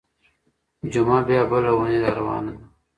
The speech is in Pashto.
جمعه بيا بله اونۍ راروانه ده.